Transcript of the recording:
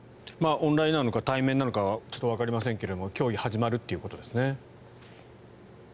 オンラインなのか対面なのかはちょっとわかりませんが協議が始まるということですね。